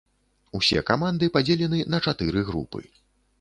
Усе каманды падзелены на чатыры групы.